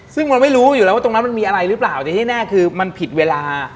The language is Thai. ซึ่งมันไม่รู้อยู่แล้วว่าตรงนั้นมันมีอะไรหรือเปล่าแต่ที่แน่คือมันผิดเวลา